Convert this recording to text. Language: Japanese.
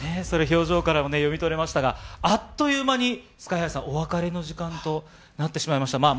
それ、表情からも読み取れましたが、あっという間に、ＳＫＹーＨＩさん、お別れの時間となってしまいました。